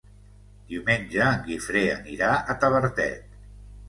Diumenge en Guifré anirà a Tavertet.